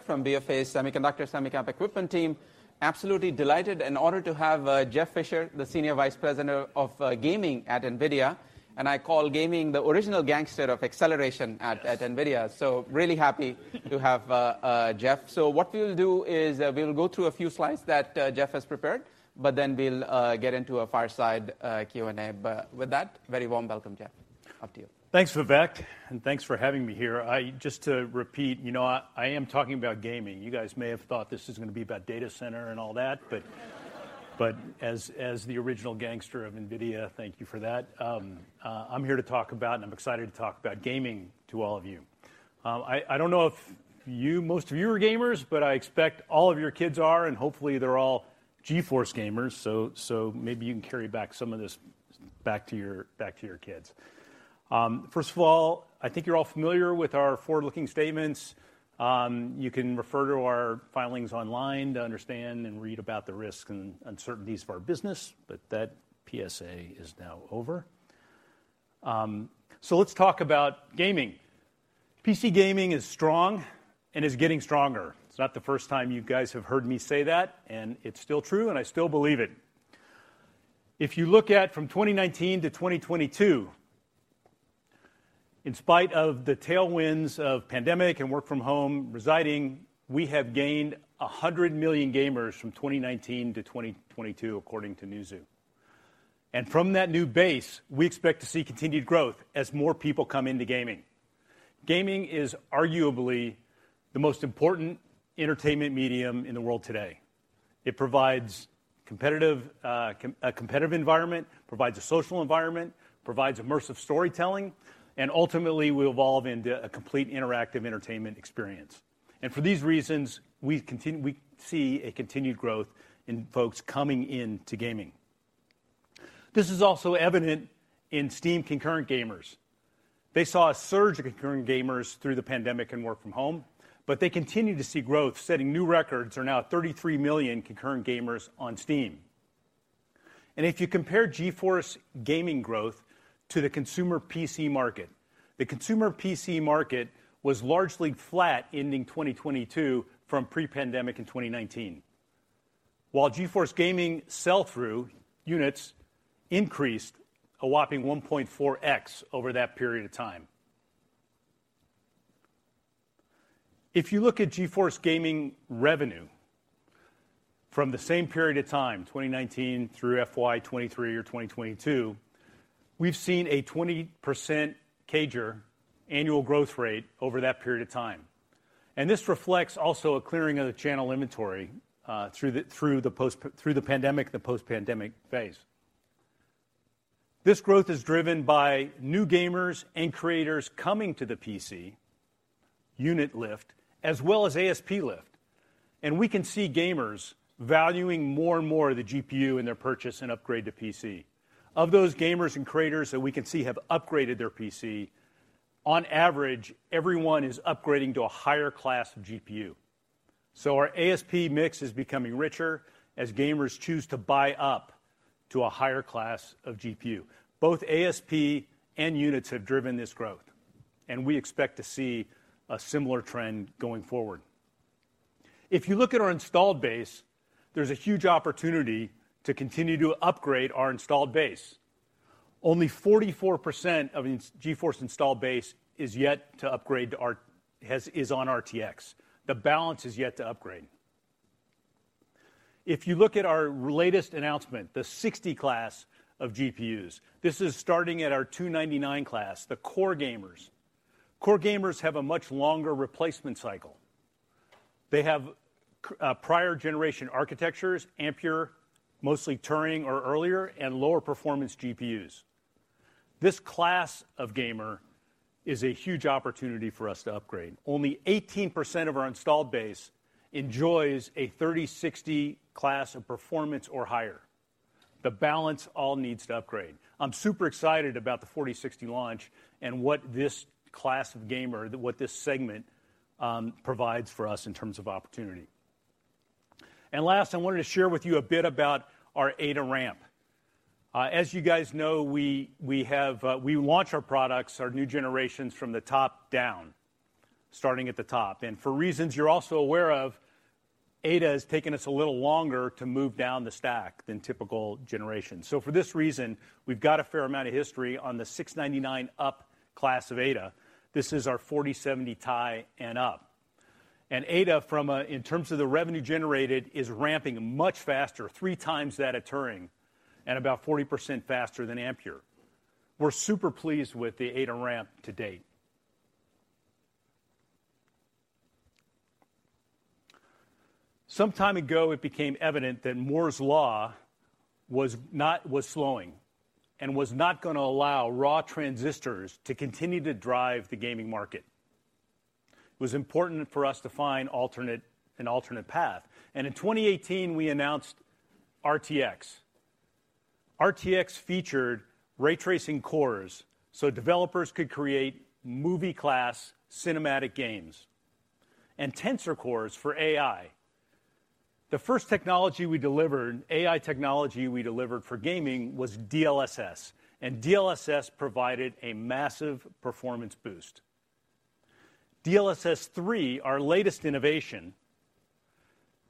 from BofA Semiconductor Semicap Equipment team. Absolutely delighted and honored to have Jeff Fisher, the Senior Vice President of Gaming at NVIDIA. I call gaming the original gangster of acceleration at NVIDIA. Really happy to have Jeff. What we'll do is, we'll go through a few slides that Jeff has prepared, but then we'll get into a fireside Q&A. With that, very warm welcome, Jeff. Up to you. Thanks, Vivek, and thanks for having me here. Just to repeat, you know, I am talking about gaming. You guys may have thought this was gonna be about data center and all that, but as the original gangster of NVIDIA, thank you for that. I'm here to talk about, and I'm excited to talk about gaming to all of you. I don't know if most of you are gamers, but I expect all of your kids are, and hopefully, they're all GeForce gamers. Maybe you can carry back some of this back to your kids. First of all, I think you're all familiar with our forward-looking statements. You can refer to our filings online to understand and read about the risks and uncertainties of our business, but that PSA is now over. Let's talk about gaming. PC gaming is strong and is getting stronger. It's not the first time you guys have heard me say that, and it's still true, and I still believe it. If you look at from 2019 to 2022, in spite of the tailwinds of pandemic and work-from-home residing, we have gained 100 million gamers from 2019 to 2022, according to Newzoo. From that new base, we expect to see continued growth as more people come into gaming. Gaming is arguably the most important entertainment medium in the world today. It provides competitive, a competitive environment, provides a social environment, provides immersive storytelling, and ultimately will evolve into a complete interactive entertainment experience. For these reasons, we see a continued growth in folks coming into gaming. This is also evident in Steam concurrent gamers. They saw a surge of concurrent gamers through the pandemic and work from home, but they continue to see growth, setting new records, are now 33 million concurrent gamers on Steam. If you compare GeForce gaming growth to the consumer PC market, the consumer PC market was largely flat ending 2022 from pre-pandemic in 2019. While GeForce gaming sell-through units increased a whopping 1.4x over that period of time. If you look at GeForce gaming revenue from the same period of time, 2019 through FY 2023 or 2022, we've seen a 20% CAGR annual growth rate over that period of time. This reflects also a clearing of the channel inventory through the pandemic, the post-pandemic phase. This growth is driven by new gamers and creators coming to the PC, unit lift, as well as ASP lift. We can see gamers valuing more and more the GPU in their purchase and upgrade to PC. Of those gamers and creators that we can see have upgraded their PC, on average, everyone is upgrading to a higher class of GPU. Our ASP mix is becoming richer as gamers choose to buy up to a higher class of GPU. Both ASP and units have driven this growth, and we expect to see a similar trend going forward. If you look at our installed base, there's a huge opportunity to continue to upgrade our installed base. Only 44% of GeForce installed base is on RTX. The balance is yet to upgrade. If you look at our latest announcement, the 60 class of GPUs, this is starting at our $299 class, the core gamers. Core gamers have a much longer replacement cycle. They have prior generation architectures, Ampere, mostly Turing or earlier, and lower performance GPUs. This class of gamer is a huge opportunity for us to upgrade. Only 18% of our installed base enjoys a 3060 class of performance or higher. The balance all needs to upgrade. I'm super excited about the 4060 launch and what this class of gamer, what this segment provides for us in terms of opportunity. Last, I wanted to share with you a bit about our Ada ramp. As you guys know, we have, we launch our products, our new generations from the top down, starting at the top. For reasons you're also aware of, Ada has taken us a little longer to move down the stack than typical generations. For this reason, we've got a fair amount of history on the $699 up class of Ada. This is our 4070 Ti and up. Ada, in terms of the revenue generated, is ramping much faster, 3x that of Turing and about 40% faster than Ampere. We're super pleased with the Ada ramp to date. Some time ago, it became evident that Moore's Law was slowing and was not gonna allow raw transistors to continue to drive the gaming market. It was important for us to find an alternate path, and in 2018, we announced RTX. RTX featured ray tracing cores so developers could create movie-class cinematic games, and Tensor Cores for AI. The first technology we delivered, AI technology we delivered for gaming was DLSS, and DLSS provided a massive performance boost. DLSS 3, our latest innovation,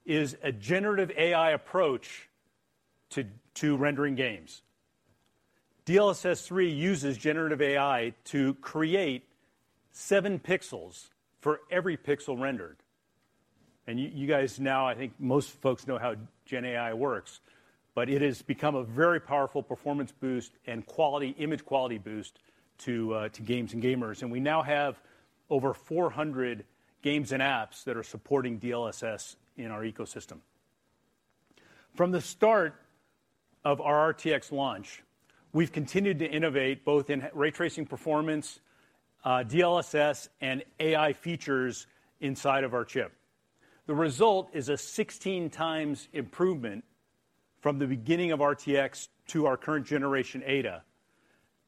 is a generative AI approach to rendering games. DLSS 3 uses generative AI to create seven pixels for every pixel rendered. You guys now, I think most folks know how gen AI works, but it has become a very powerful performance boost and quality, image quality boost to games and gamers. We now have over 400 games and apps that are supporting DLSS in our ecosystem. From the start of our RTX launch, we've continued to innovate both in ray tracing performance, DLSS, and AI features inside of our chip. The result is a 16 times improvement from the beginning of RTX to our current generation Ada,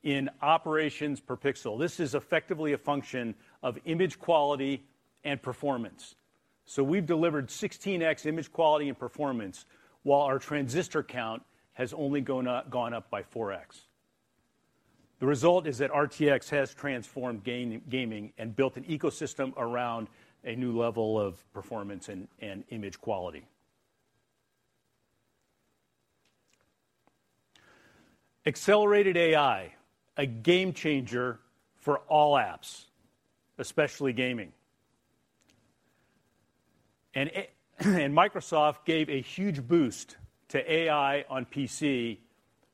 in operations per pixel. This is effectively a function of image quality and performance. We've delivered 16x image quality and performance, while our transistor count has only gone up by 4x. The result is that RTX has transformed gaming and built an ecosystem around a new level of performance and image quality. Accelerated AI, a game changer for all apps, especially gaming. Microsoft gave a huge boost to AI on PC,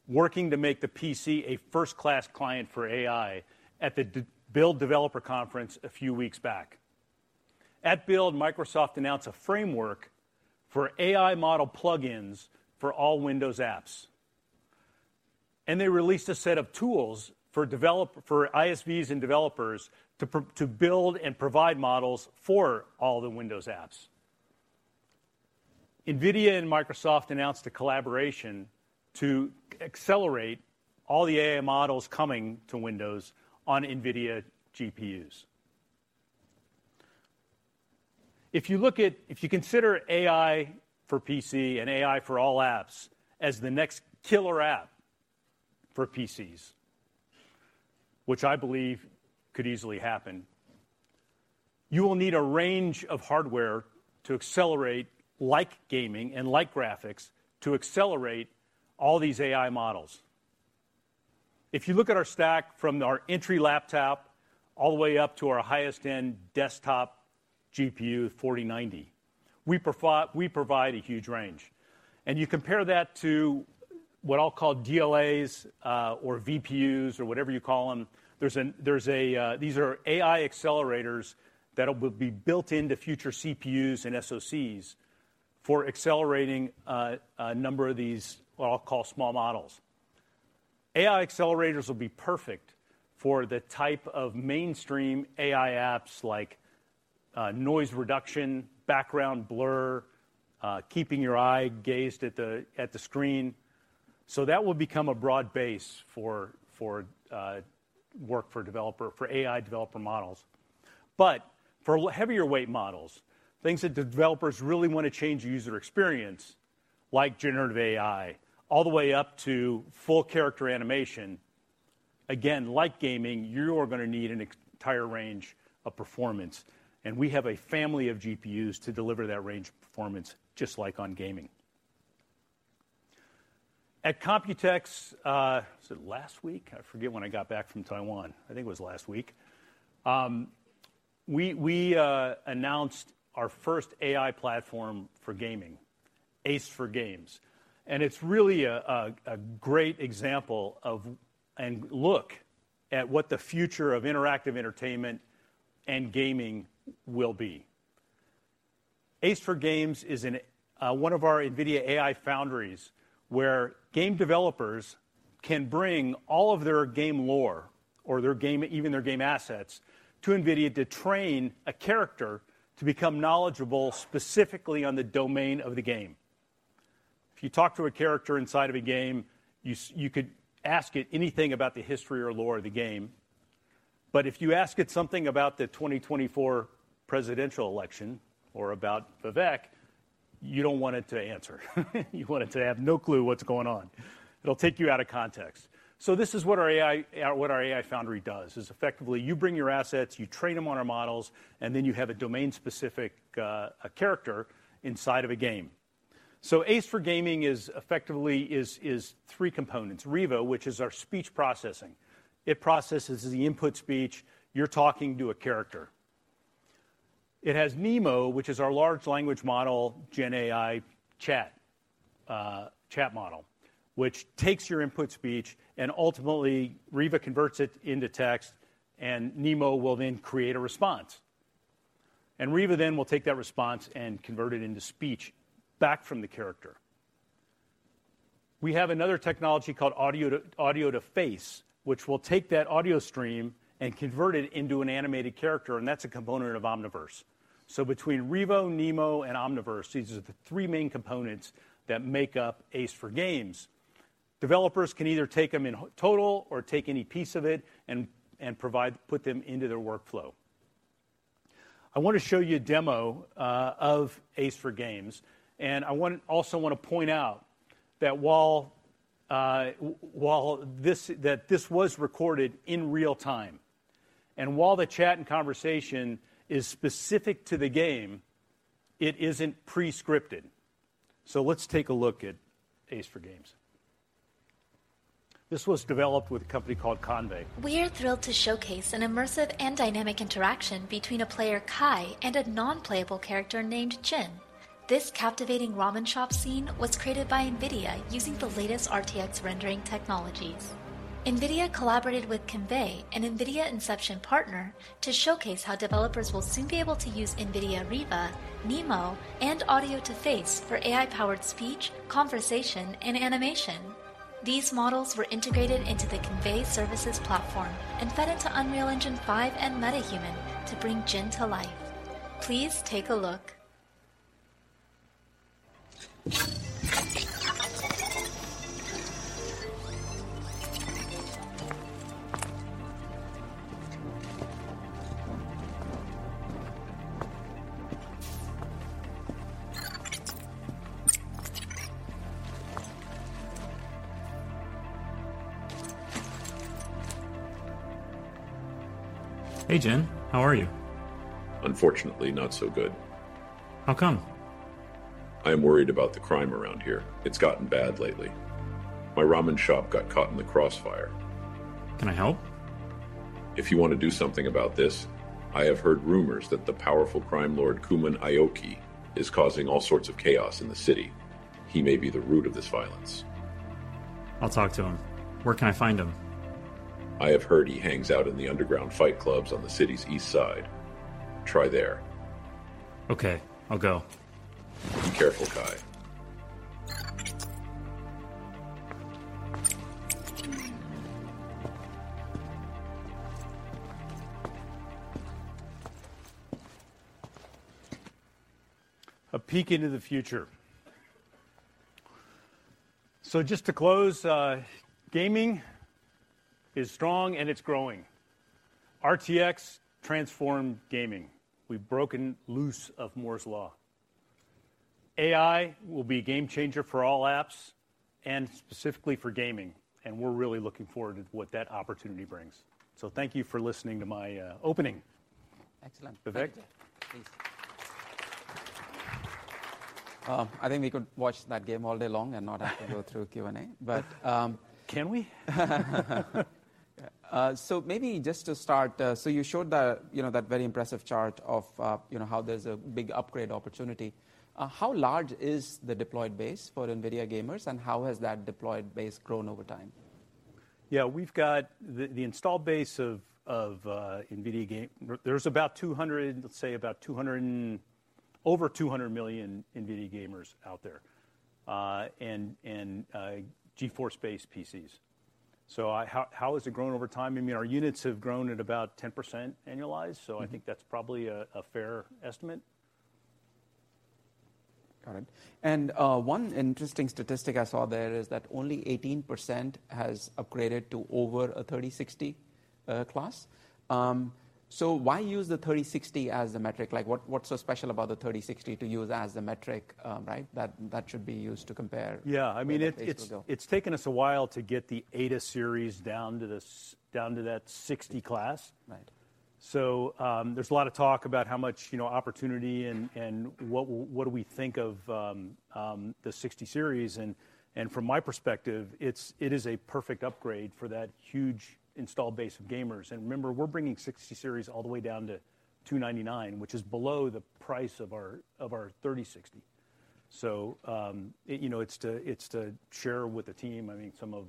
working to make the PC a first-class client for AI at the Build developer conference a few weeks back. At Build, Microsoft announced a framework for AI model plugins for all Windows apps. They released a set of tools for ISVs and developers to build and provide models for all the Windows apps. NVIDIA and Microsoft announced a collaboration to accelerate all the AI models coming to Windows on NVIDIA GPUs. If you consider AI for PC and AI for all apps as the next killer app for PCs, which I believe could easily happen, you will need a range of hardware to accelerate, like gaming and like graphics, to accelerate all these AI models. If you look at our stack from our entry laptop, all the way up to our highest-end desktop GPU, RTX 4090, we provide a huge range. You compare that to what I'll call DLAs, or VPUs, or whatever you call them. There's a.. These are AI accelerators that will be built into future CPUs and SoCs for accelerating a number of these, what I'll call small models. AI accelerators will be perfect for the type of mainstream AI apps like noise reduction, background blur, keeping your eye gazed at the screen. That will become a broad base for work for developer, for AI developer models. For heavier weight models, things that developers really want to change user experience, like generative AI, all the way up to full character animation, again, like gaming, you're gonna need an entire range of performance, and we have a family of GPUs to deliver that range of performance, just like on gaming. At Computex, was it last week? I forget when I got back from Taiwan. I think it was last week. We announced our first AI platform for gaming, ACE for Games, and it's really a great example of what the future of interactive entertainment and gaming will be. ACE for Games is one of our NVIDIA AI foundries, where game developers can bring all of their game lore or their game, even their game assets, to NVIDIA to train a character to become knowledgeable specifically on the domain of the game. If you talk to a character inside of a game, you could ask it anything about the history or lore of the game. If you ask it something about the 2024 presidential election or about Vivek, you don't want it to answer. You want it to have no clue what's going on. It'll take you out of context. This is what our AI, what our AI foundry does, is effectively, you bring your assets, you train them on our models, and then you have a domain-specific, a character inside of a game. ACE for Games is effectively, is three components: Riva, which is our speech processing. It processes the input speech. You're talking to a character. It has NeMo, which is our large language model, gen AI chat model, which takes your input speech, and ultimately, Riva converts it into text, and NeMo will then create a response. Riva then will take that response and convert it into speech back from the character. We have another technology called Audio2Face, which will take that audio stream and convert it into an animated character, that's a component of Omniverse. Between Riva, NeMo, and Omniverse, these are the three main components that make up ACE for Games. Developers can either take them in total or take any piece of it and provide, put them into their workflow. I want to show you a demo of ACE for Games, and I also want to point out that while this was recorded in real time, and while the chat and conversation is specific to the game, it isn't pre-scripted. Let's take a look at ACE for Games. This was developed with a company called Convai. We are thrilled to showcase an immersive and dynamic interaction between a player, Kai, and a non-playable character named Jin. This captivating ramen shop scene was created by NVIDIA using the latest RTX rendering technologies. NVIDIA collaborated with Convai, an NVIDIA Inception partner, to showcase how developers will soon be able to use NVIDIA Riva, NeMo, and Audio2Face for AI-powered speech, conversation, and animation. These models were integrated into the Convai services platform and fed into Unreal Engine 5 and MetaHuman to bring Jin to life. Please take a look. Hey, Jin. How are you? Unfortunately, not so good. How come? I am worried about the crime around here. It's gotten bad lately. My ramen shop got caught in the crossfire. Can I help? If you want to do something about this, I have heard rumors that the powerful crime lord, Kumon Aoki, is causing all sorts of chaos in the city. He may be the root of this violence. I'll talk to him. Where can I find him? I have heard he hangs out in the underground fight clubs on the city's east side. Try there. Okay, I'll go. Be careful, Kai. A peak into the future. Just to close, gaming is strong, and it's growing. RTX transformed gaming. We've broken loose of Moore's Law. AI will be a game changer for all apps and specifically for gaming. We're really looking forward to what that opportunity brings. Thank you for listening to my opening. Excellent. Vivek? I think we could watch that game all day long and not have to go through Q&A. Can we? Maybe just to start, you showed that, you know, that very impressive chart of, you know, how there's a big upgrade opportunity. How large is the deployed base for NVIDIA gamers, and how has that deployed base grown over time? Yeah, we've got the installed base of NVIDIA over 200 million NVIDIA gamers out there, and GeForce-based PCs. How has it grown over time? I mean, our units have grown at about 10% annualized. I think that's probably a fair estimate. Got it. One interesting statistic I saw there is that only 18% has upgraded to over a RTX 3060 class. Why use the RTX 3060 as the metric? Like, what's so special about the RTX 3060 to use as the metric, right, that should be used to compare. Yeah. The base model? It's taken us a while to get the Ada series down to this, down to that 60 class. Right. There's a lot of talk about how much, you know, opportunity and what do we think of the 60 series. From my perspective, it's, it is a perfect upgrade for that huge installed base of gamers. Remember, we're bringing 60 series all the way down to $299, which is below the price of our, of our RTX 3060. It, you know, it's to share with the team, I mean, some of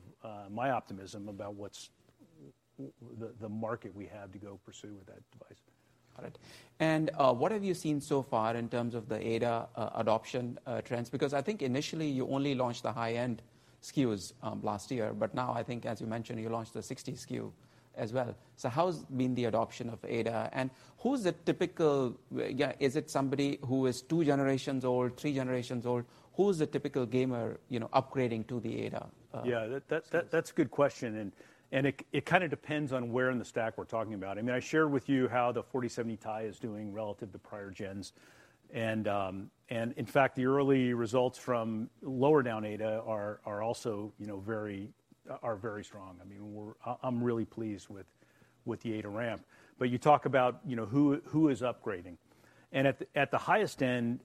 my optimism about what's the market we have to go pursue with that device. Got it. What have you seen so far in terms of the Ada adoption trends? Because I think initially you only launched the high-end SKUs last year, but now I think, as you mentioned, you launched the 60 SKU as well. How has been the adoption of Ada, and who's the typical, yeah, is it somebody who is two generations old, three generations old? Who is the typical gamer, you know, upgrading to the Ada series? Yeah, that's a good question, and it kind of depends on where in the stack we're talking about. I mean, I shared with you how the RTX 4070 Ti is doing relative to prior gens. In fact, the early results from lower down Ada are also, you know, very strong. I mean, I'm really pleased with the Ada ramp. You talk about, you know, who is upgrading? At the highest end,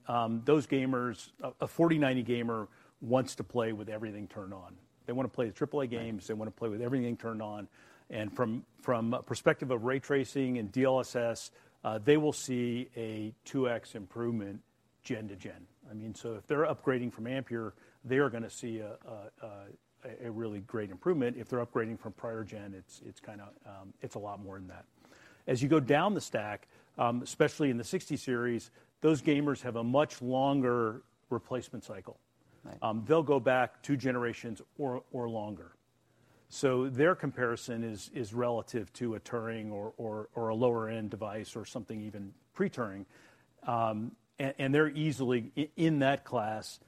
those gamers, a RTX 4090 gamer wants to play with everything turned on. They wanna play the AAA games. Right. They wanna play with everything turned on. From a perspective of ray tracing and DLSS, they will see a 2x improvement gen to gen. I mean, if they're upgrading from Ampere, they are gonna see a really great improvement. If they're upgrading from prior gen, it's kinda, it's a lot more than that. As you go down the stack, especially in the 60 series, those gamers have a much longer replacement cycle. Right. They'll go back two generations or longer. Their comparison is relative to a Turing or a lower-end device or something even pre-Turing. They're easily in that class,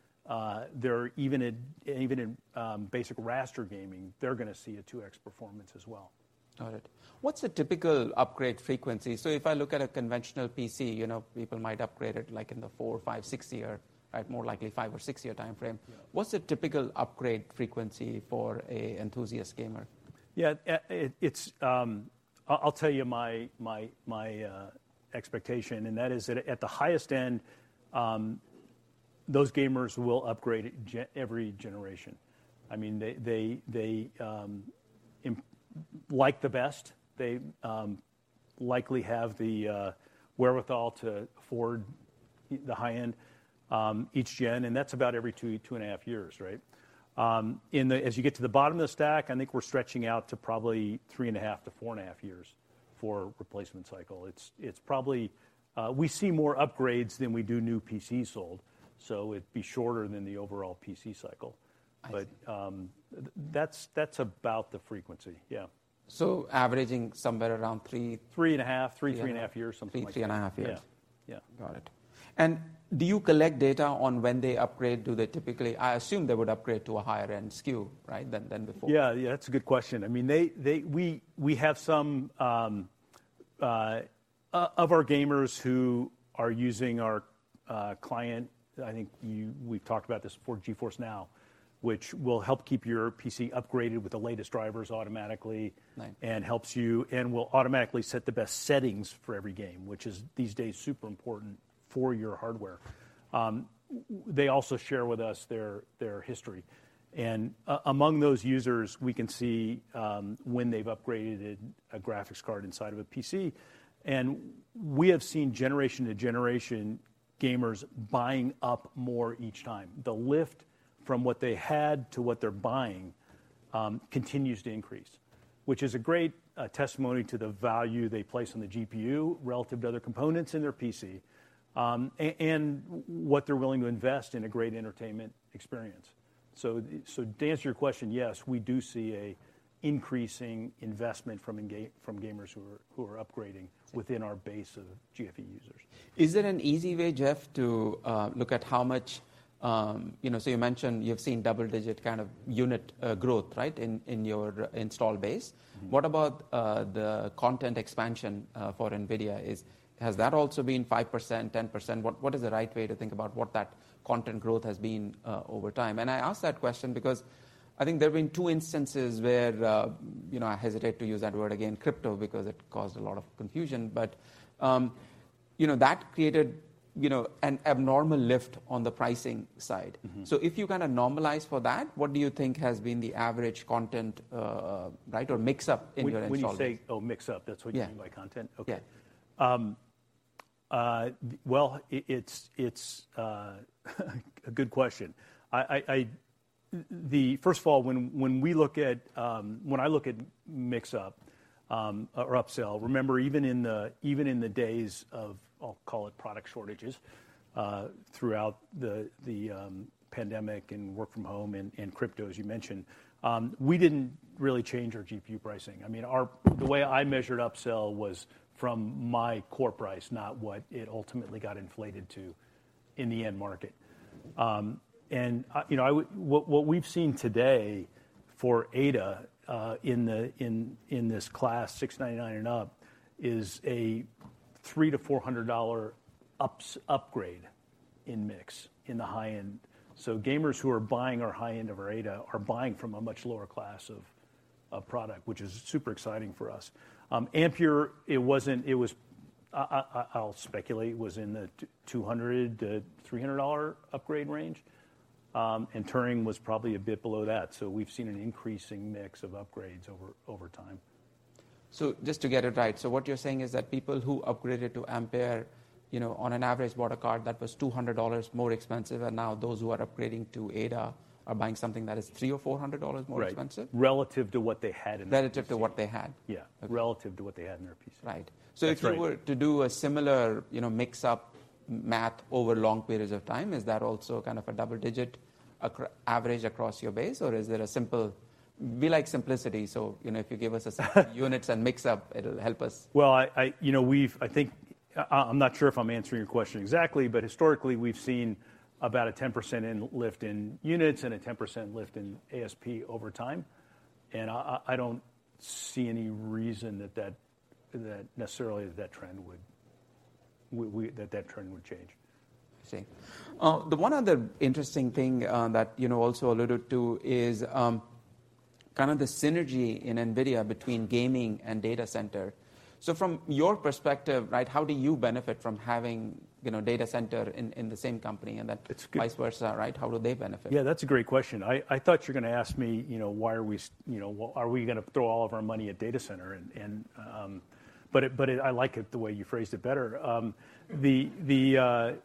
they're even in basic rasterization gaming, they're gonna see a 2x performance as well. Got it. What's the typical upgrade frequency? If I look at a conventional PC, you know, people might upgrade it like in the four, five, six year, right? More likely five or six-year time frame. Yeah. What's the typical upgrade frequency for a enthusiast gamer? Yeah, it's I'll tell you my expectation, and that is that at the highest end, those gamers will upgrade every generation. I mean, they like the best, they likely have the wherewithal to afford the high end, each gen, and that's about every two and a half years, right? As you get to the bottom of the stack, I think we're stretching out to probably three and a half to four and a half years for replacement cycle. It's probably we see more upgrades than we do new PCs sold, so it'd be shorter than the overall PC cycle. I see. That's about the frequency. Yeah. Averaging somewhere around three- Three and a half. Yeah. Three and a half years, something like that. Three, three and a half years. Yeah. Yeah. Got it. Do you collect data on when they upgrade? Do they typically, I assume they would upgrade to a higher-end SKU, right, than before? Yeah. Yeah, that's a good question. I mean, they, we have some of our gamers who are using our client, I think you, we've talked about this support, GeForce NOW, which will help keep your PC upgraded with the latest drivers automatically. Right And helps you and will automatically set the best settings for every game, which is, these days, super important for your hardware. They also share with us their history, among those users, we can see when they've upgraded a graphics card inside of a PC. We have seen generation to generation, gamers buying up more each time. The lift from what they had to what they're buying continues to increase, which is a great testimony to the value they place on the GPU relative to other components in their PC, and what they're willing to invest in a great entertainment experience. So to answer your question, yes, we do see a increasing investment from gamers who are upgrading within our base of GFE users. Is there an easy way, Jeff, to look at how much, You know, you mentioned you've seen double-digit kind of unit, growth, right, in your install base? What about the content expansion for NVIDIA? Has that also been 5%, 10%? What, what is the right way to think about what that content growth has been over time? I ask that question because I think there have been two instances where, you know, I hesitate to use that word again, crypto, because it caused a lot of confusion. You know, that created, you know, an abnormal lift on the pricing side? If you kind of normalize for that, what do you think has been the average content, right, or mix-up in your install base? When you say... Oh, mix-up, that's what you mean. Yeah By content? Okay. Yeah. Well, it's a good question. First of all, when we look at, when I look at mix-up, or upsell, remember, even in the, even in the days of, I'll call it product shortages, throughout the pandemic and work from home and crypto, as you mentioned, we didn't really change our GPU pricing. I mean, the way I measured upsell was from my core price, not what it ultimately got inflated to in the end market. You know, what we've seen today for Ada, in this class, $699 and up, is a $300-400 upgrade in mix, in the high end. Gamers who are buying our high end of Ada are buying from a much lower class of product, which is super exciting for us. Ampere, it was I'll speculate, was in the $200-300 upgrade range, and Turing was probably a bit below that. We've seen an increasing mix of upgrades over time. Just to get it right, what you're saying is that people who upgraded to Ampere, you know, on an average, bought a card that was $200 more expensive, and now those who are upgrading to Ada are buying something that is $300 or 400 more expensive? Right, relative to what they had in their PC. Relative to what they had? Yeah. Okay. Relative to what they had in their PC. Right. That's right. If you were to do a similar, you know, mix-up math over long periods of time, is that also kind of a double-digit average across your base, or is there a simple. We like simplicity, you know, if you give us units and mix-up, it'll help us. Well, you know, I'm not sure if I'm answering your question exactly, but historically, we've seen about a 10% in lift in units and a 10% lift in ASP over time, and I don't see any reason that necessarily, that trend would change. I see. The one other interesting thing that, you know, also alluded to is kind of the synergy in NVIDIA between gaming and data center. From your perspective, right, how do you benefit from having, you know, data center in the same company, and then- It's good- Vice versa, right? How do they benefit? Yeah, that's a great question. I thought you were gonna ask me, you know, why are we, you know, well, are we gonna throw all of our money at data center? But it, I like it, the way you phrased it better. The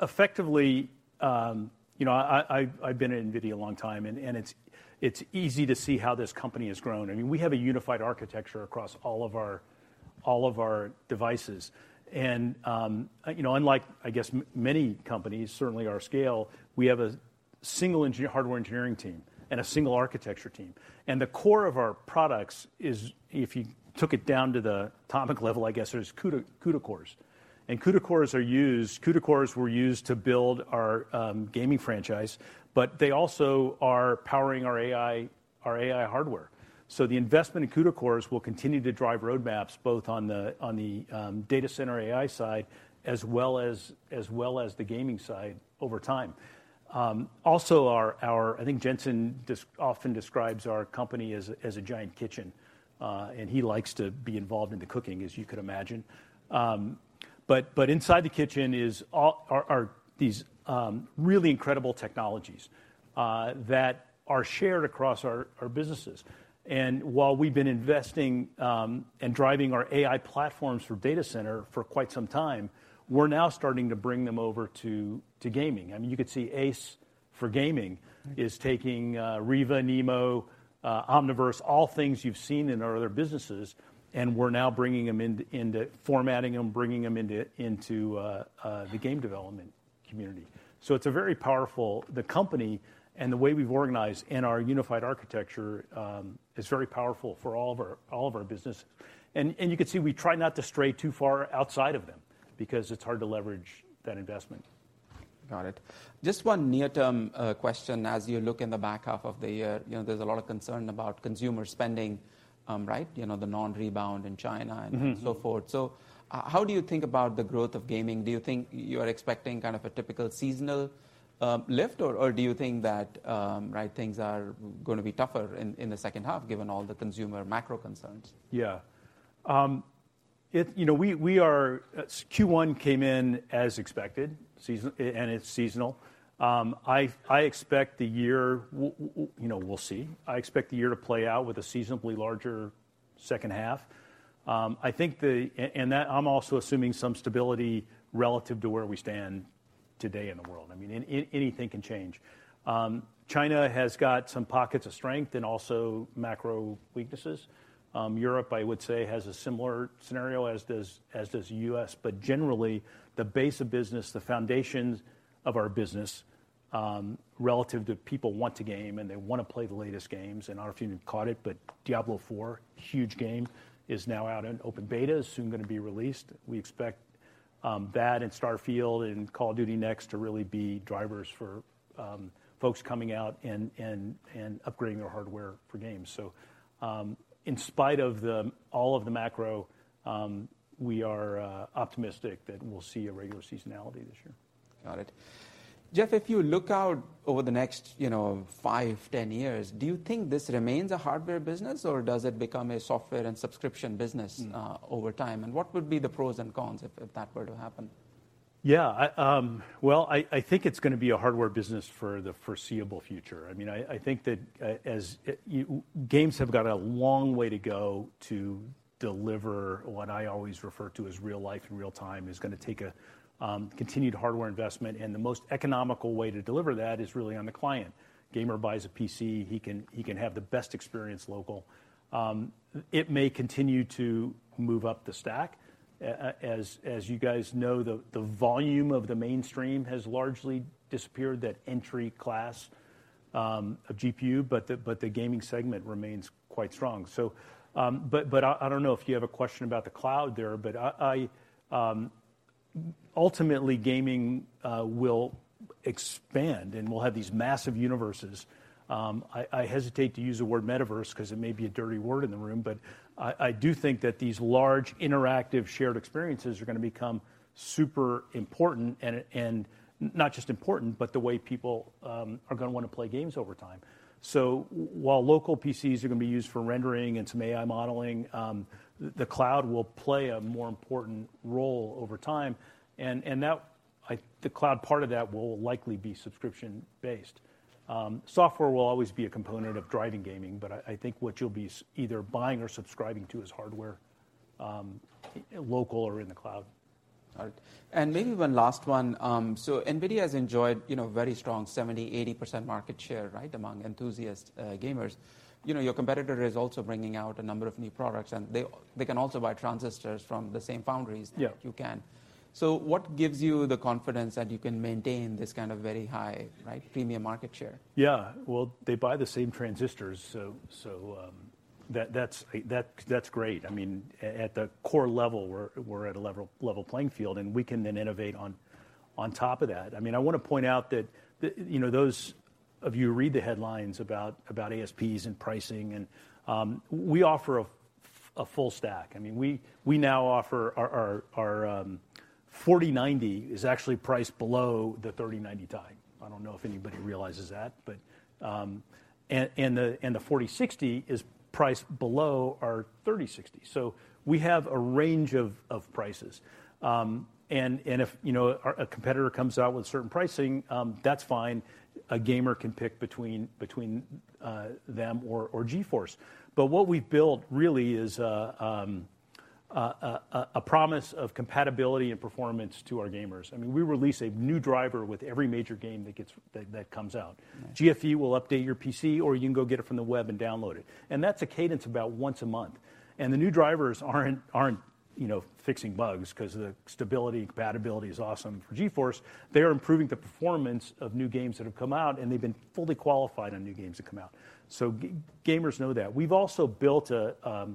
effectively, you know, I've been at NVIDIA a long time, and it's easy to see how this company has grown. I mean, we have a unified architecture across all of our all of our devices. Unlike, I guess, many companies, certainly our scale, we have a single engineer, hardware engineering team and a single architecture team. The core of our products is, if you took it down to the atomic level, I guess there's CUDA cores. CUDA cores were used to build our gaming franchise, but they also are powering our AI hardware. The investment in CUDA cores will continue to drive roadmaps both on the data center AI side, as well as the gaming side over time. Also, our I think Jensen often describes our company as a giant kitchen, and he likes to be involved in the cooking, as you could imagine. But inside the kitchen are these really incredible technologies that are shared across our businesses. While we've been investing and driving our AI platforms for data center for quite some time, we're now starting to bring them over to gaming. I mean, you could see ACE for Games is taking Riva, NeMo, Omniverse, all things you've seen in our other businesses, and we're now bringing them in, into formatting them, bringing them into the game development community. It's a very powerful. The company and the way we've organized and our unified architecture is very powerful for all of our businesses. You can see we try not to stray too far outside of them because it's hard to leverage that investment. Got it. Just one near-term question as you look in the back half of the year. You know, there's a lot of concern about consumer spending, right? You know, the non-rebound in China and so forth. How do you think about the growth of gaming? Do you think you are expecting kind of a typical seasonal lift, or do you think that right, things are gonna be tougher in the second half, given all the consumer macro concerns? Yeah. You know, we are Q1 came in as expected, and it's seasonal. I expect the year you know, we'll see. I expect the year to play out with a seasonably larger second half. I think the, and that, I'm also assuming some stability relative to where we stand today in the world. I mean, anything can change. China has got some pockets of strength and also macro weaknesses. Europe, I would say, has a similar scenario as does the U.S., but generally, the base of business, the foundations of our business, relative to people want to game, and they wanna play the latest games. I don't know if you caught it, but Diablo IV, huge game, is now out in open beta, soon gonna be released. We expect that and Starfield and Call of Duty: Next to really be drivers for folks coming out and upgrading their hardware for games. In spite of the, all of the macro, we are optimistic that we'll see a regular seasonality this year. Got it. Jeff, if you look out over the next, you know, five, 10 years, do you think this remains a hardware business, or does it become a software and subscription business over time? What would be the pros and cons if that were to happen? Well, I think it's gonna be a hardware business for the foreseeable future. I mean, I think that as games have got a long way to go to deliver what I always refer to as real life in real time. It's gonna take a continued hardware investment, and the most economical way to deliver that is really on the client. Gamer buys a PC, he can have the best experience local. It may continue to move up the stack. As you guys know, the volume of the mainstream has largely disappeared, that entry-class GPU, but the gaming segment remains quite strong. I don't know if you have a question about the cloud there, but I ultimately, gaming will expand, and we'll have these massive universes. I hesitate to use the word metaverse because it may be a dirty word in the room, but I do think that these large, interactive, shared experiences are gonna become super important and not just important, but the way people are gonna wanna play games over time. While local PCs are gonna be used for rendering and some AI modeling, the cloud will play a more important role over time. That, the cloud part of that will likely be subscription-based. I think what you'll be either buying or subscribing to is hardware, local or in the cloud. All right. Maybe one last one. NVIDIA has enjoyed, you know, very strong, 70%, 80% market share, right, among enthusiast gamers. You know, your competitor is also bringing out a number of new products, and they can also buy transistors from the same foundries. Yeah. That you can. What gives you the confidence that you can maintain this kind of very high, right, premium market share? Yeah, well, they buy the same transistors, so that's great. I mean, at the core level, we're at a level playing field, and we can then innovate on top of that. I mean, I wanna point out that the, you know, those of you who read the headlines about ASPs and pricing, we offer a full stack. I mean, we now offer our RTX 4090 is actually priced below the RTX 3090 Ti. I don't know if anybody realizes that, but the RTX 4060 is priced below our RTX 3060. We have a range of prices. If, you know, a competitor comes out with certain pricing, that's fine. A gamer can pick between them or GeForce. What we've built really is a promise of compatibility and performance to our gamers. I mean, we release a new driver with every major game that comes out. GFE will update your PC, or you can go get it from the web and download it. That's a cadence about once a month. The new drivers aren't, you know, fixing bugs 'cause the stability, compatibility is awesome for GeForce. They are improving the performance of new games that have come out, and they've been fully qualified on new games that come out. Gamers know that. We've also built a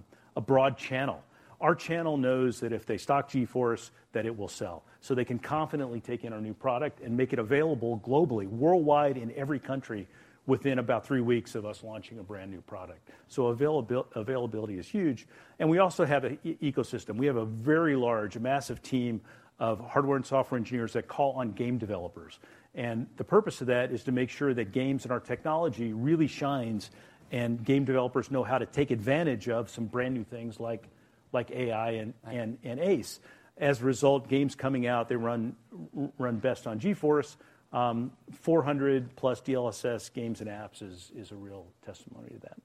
broad channel. Our channel knows that if they stock GeForce, that it will sell. They can confidently take in our new product and make it available globally, worldwide in every country, within about three weeks of us launching a brand-new product. Availability is huge, and we also have a ecosystem. We have a very large, massive team of hardware and software engineers that call on game developers. The purpose of that is to make sure that games and our technology really shines, and game developers know how to take advantage of some brand-new things like AI and ACE. As a result, games coming out, they run best on GeForce. 400+ DLSS games and apps is a real testimony to that.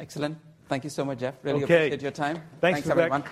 Excellent. Thank you so much, Jeff. Okay. Really appreciate your time. Thanks, Vivek.